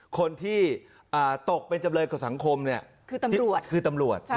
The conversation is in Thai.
คนที่ตกเป็นจำเลยกับสังคมคือตำรวจ